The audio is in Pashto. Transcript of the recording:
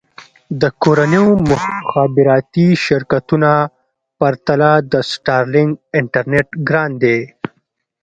د کورنیو مخابراتي شرکتونو پرتله د سټارلېنک انټرنېټ ګران دی.